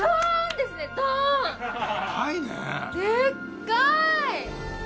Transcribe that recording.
でっかい！